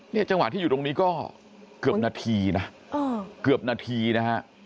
เนี่ยจังหวะที่อยู่ตรงนี้ก็เกือบนาทีนะ